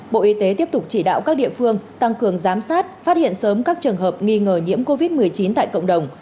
bộ y tế tiếp tục chỉ đạo các địa phương tăng cường giám sát phát hiện sớm các trường hợp nghi ngờ nhiễm covid một mươi chín tại cộng đồng